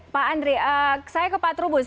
pak andri saya ke pak trubus